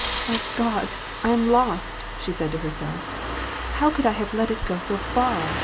" My God ! I am lost," she said to herself. " How could I have let it go so far